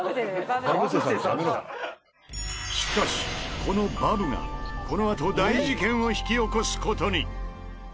しかしこのバブがこのあと大事件を引き起こす事に！